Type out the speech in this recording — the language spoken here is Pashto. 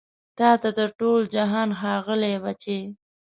تا ته تر ټول جهان ښاغلي بچي